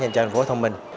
dành cho thành phố thông minh